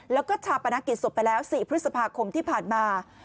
แล้วก็ชาปนกิจศพไปแล้ว๔พฤษภาคมที่ผ่านมา